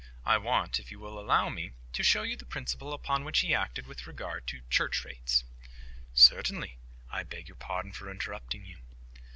I want, if you will allow me, to show you the principle upon which He acted with regard to church rates." "Certainly. I beg your pardon for interrupting you."